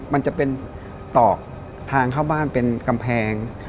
มันจะเป็นตอกทางเข้าบ้านเป็นกำแพง